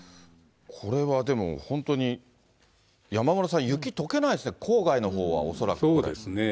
これはでも、本当に山村さん、雪とけないですね、郊外のほうは、そうですね。